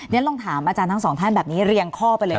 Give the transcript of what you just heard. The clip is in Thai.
ลองถามอาจารย์ทั้งสองท่านแบบนี้เรียงข้อไปเลย